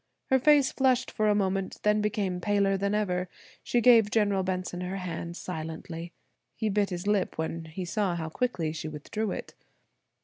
Her face flushed for a moment, then became paler than ever. She gave General Benson her hand silently, he bit his lip when he saw how quickly she withdrew it.